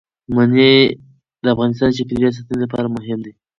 منی د افغانستان د چاپیریال ساتنې لپاره مهم دي.